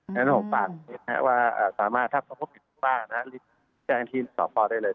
ฉะนั้นผมสามารถถ้าพบคุณป้ารีบแจ้งที่สอบพอด้วยเลย